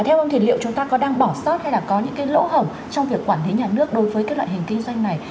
theo ông thì liệu chúng ta có đang bỏ sót hay là có những cái lỗ hổng trong việc quản lý nhà nước đối với cái loại hình kinh doanh này